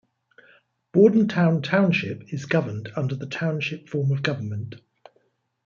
Bordentown Township is governed under the Township form of government.